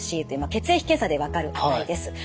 ｃ血液検査で分かる値です。